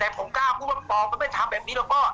แต่ผมกล้าพูดมาปลอมมันไม่ทำแบบนี้เลยพ่อ